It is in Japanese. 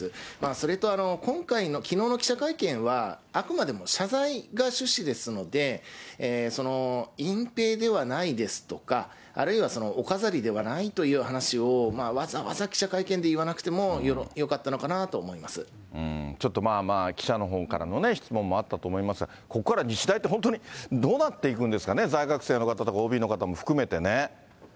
それと今回のきのうの記者会見は、あくまでも謝罪が趣旨ですので、隠蔽ではないですとか、あるいはお飾りではないという話をわざわざ記者会見で言わなくてちょっとまあまあ、記者のほうからの質問もあったと思いますが、ここから日大って、本当にどうなっていくんですかね、在学生の方とか、ＯＢの方も含めてね。